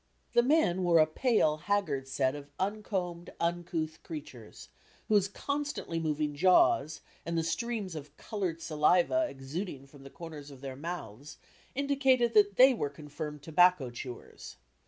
The men were a pale, haggard set of uncombed, uncouth creatures, whose constantly moving jaws and the streams of colored saliva exuding from the corners of their mouths indicated that they were confirmed tobacco chewers.